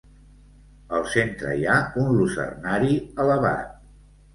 Al centre hi ha un lucernari elevat.